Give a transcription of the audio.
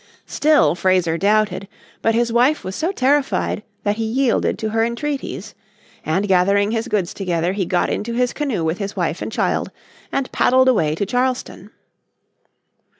Still Fraser doubted. But his wife was so terrified that he yielded to her entreaties. And gathering his goods together he got into his canoe with his wife and child, and paddled away to Charleston.